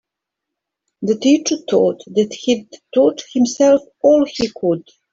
The teacher thought that he'd taught himself all he could.